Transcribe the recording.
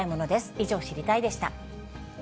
以上、知りたいッ！でした。